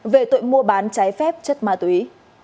về tội mua bán trái phép chất ma túy